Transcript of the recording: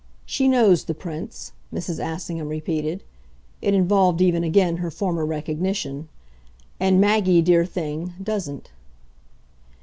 She knows the Prince," Mrs. Assingham repeated. It involved even again her former recognition. "And Maggie, dear thing, doesn't."